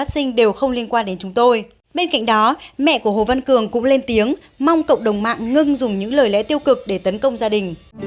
xin chào và hẹn gặp lại